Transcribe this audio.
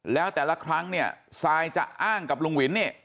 แล้วแต่ละครั้งเนี่ยซายจะอ้างกับลุงวินเนี่ย